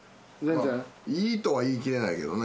いいとは言い切れないけどねやっぱり。